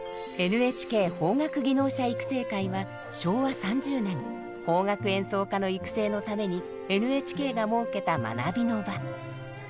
ＮＨＫ邦楽技能者育成会は昭和３０年邦楽演奏家の育成のためにＮＨＫが設けた学びの場。